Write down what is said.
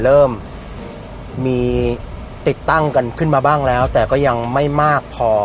เริ่มมีติดตั้งกันขึ้นมาบ้างแล้วแต่ก็ยังไม่มากพอ